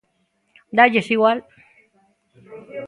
Dálles igual.